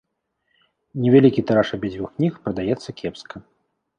Невялікі тыраж абедзвюх кніг прадаецца кепска.